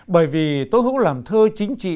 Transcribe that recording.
bởi vì tố hữu làm thơ chính trị